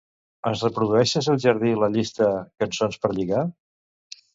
Ens reprodueixes al jardí la llista "cançons per lligar"?